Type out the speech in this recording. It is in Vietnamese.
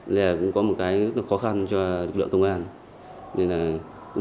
cũng có một cái khó khăn cho lực lượng công an